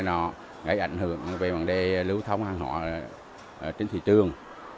để ảnh hưởng về vụ đề lưu thống hàng hóa trên thị trường